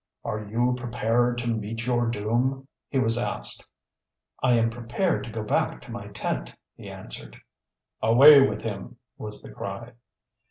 "Are you prepared to meet your doom?" he was asked. "I am prepared to go back to my tent," he answered. "Away with him!" was the cry.